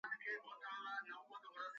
سڌو اوليآ ميݩ وهُڙو